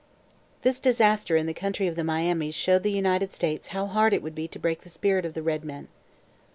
This disaster in the country of the Miamis showed the United States how hard it would be to break the spirit of the red men.